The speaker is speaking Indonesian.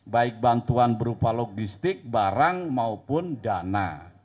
baik bantuan berupa logistik barang maupun dana